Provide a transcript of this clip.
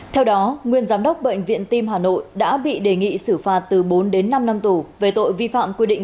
theo đó nguyên giám đốc bệnh viện tim hà nội đã bị đề nghị xử phạt từ bốn đến năm năm tù về tội vi phạm quy định